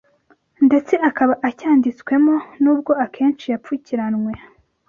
ndetse akaba acyanditswemo nubwo akenshi yapfukiranwe